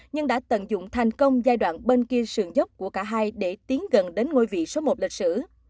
nhưng đã tận dụng thành công giai đoạn bên kia sườn dốc của cả hai để tiến gần đến ngôi vị số một lịch sử